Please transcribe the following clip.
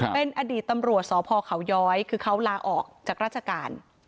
เป็นอดีตตำรวจสพเขาย้อยคือเขาลาออกจากราชการ